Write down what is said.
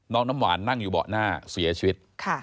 น้ำหวานนั่งอยู่เบาะหน้าเสียชีวิต